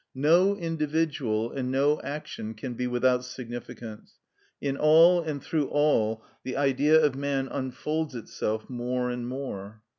No individual and no action can be without significance; in all and through all the Idea of man unfolds itself more and more.